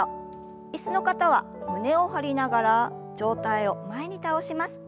椅子の方は胸を張りながら上体を前に倒します。